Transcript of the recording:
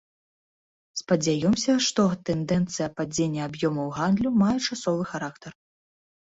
Спадзяёмся, што тэндэнцыя падзення аб'ёмаў гандлю мае часовы характар.